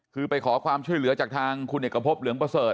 คือไปขอความช่วยเหลือจากทางคุณเอกพบเหลืองประเสริฐ